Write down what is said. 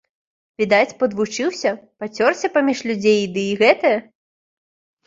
Відаць падвучыўся, пацёрся паміж людзей ды і гэтае!